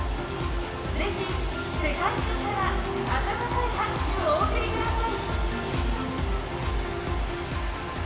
ぜひ、世界中から温かい拍手をお送りください。